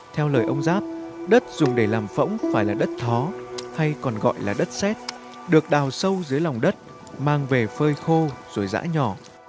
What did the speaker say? theo lời ông giáp đất dùng để làm phẫu phải là đất thó hay còn gọi là đất xét được đào sâu dưới lòng đất mang về phơi khô rồi giã nhỏ